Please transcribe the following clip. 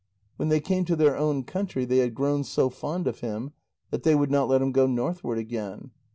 When they came to their own country, they had grown so fond of him that they would not let him go northward again.